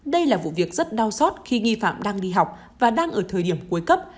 đây là vụ việc rất đau xót khi nghi phạm đang đi học và đang ở thời điểm cuối cấp